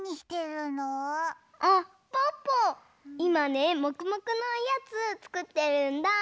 いまねもくもくのおやつつくってるんだ！